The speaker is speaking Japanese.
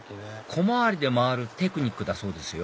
小回りで回るテクニックだそうですよ